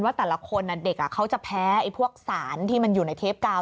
แต่ละคนเด็กเขาจะแพ้พวกสารที่มันอยู่ในเทปกาว